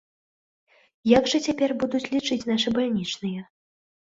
Як жа цяпер будуць лічыць нашы бальнічныя?